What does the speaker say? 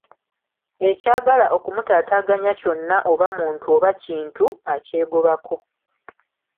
Ekyagala okumutaataganya kyonna oba muntu oba kintu, akyegobako.